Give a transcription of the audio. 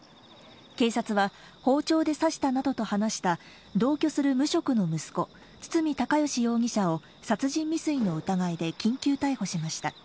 警察は、包丁で刺したなどと話した同居する無職の息子・堤孝義容疑者を殺人未遂の疑いで緊急逮捕しました。